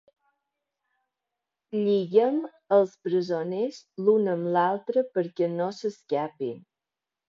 Lliguen els presoners l'un amb l'altre perquè no s'escapin.